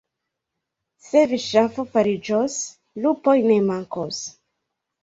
Se vi ŝafo fariĝos, lupoj ne mankos.